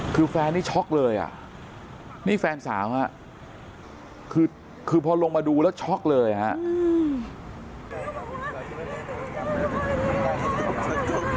คือแฟนนี้ช็อกเลยอ่ะนี่แฟนสาวฮะคือพอลงมาดูแล้วช็อกเลยครับ